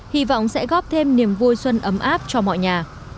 hy vọng sẽ góp thêm niềm vui xuân ấm áp cho mọi nhà